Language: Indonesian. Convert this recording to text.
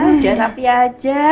udah rapi aja